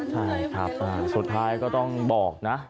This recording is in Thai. ใช่ครับสุดท้ายก็ต้องบอกนะ